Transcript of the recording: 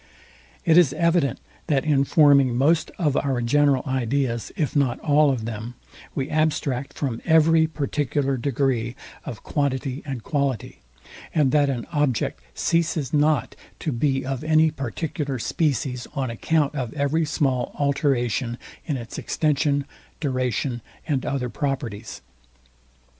] It is evident, that in forming most of our general ideas, if not all of them, we abstract from every particular degree of quantity and quality, and that an object ceases not to be of any particular species on account of every small alteration in its extension, duration and other properties.